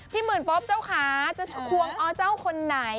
พี่หมื่นป๊อบเจ้าขาจะควงอาร์เจ้าคนไหน